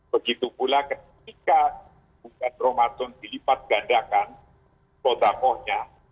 begitu pula ketika bulan ramadhan dilipat gandakan protokolnya